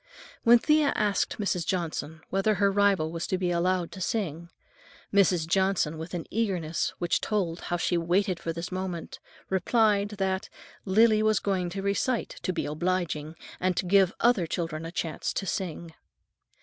When Thea asked Mrs. Johnson whether her rival was to be allowed to sing, Mrs. Johnson, with an eagerness which told how she had waited for this moment, replied that "Lily was going to recite to be obliging, and to give other children a chance to sing."